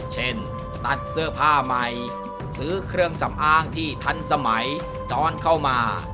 เช่นตัดเสื้อผ้าใหม่ซื้อเครื่องสำอางที่ทันสมัยจรเข้ามา